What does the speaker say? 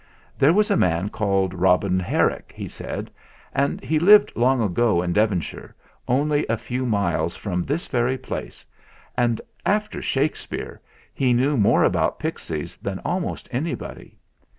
"There was a man called Robin Herrick," he said ; "and he lived long ago in Devonshire only a few miles from this very place and, after Shakespeare, he knew more about pixies THE ZAGABOG'S MESSAGE 199 than almost anybody.